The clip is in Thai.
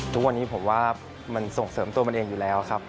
ทุกวันนี้ผมว่ามันส่งเสริมตัวมันเองอยู่แล้วครับ